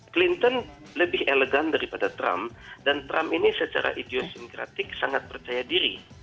clinton lebih elegan daripada trump dan trump ini secara ideosinkratik sangat percaya diri